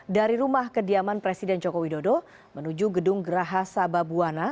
dari rumah kediaman presiden joko widodo menuju gedung geraha sababwana